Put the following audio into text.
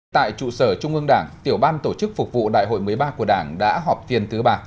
tại trụ sở trung ương đảng tiểu ban tổ chức phục vụ đại hội một mươi ba của đảng đã họp phiên thứ ba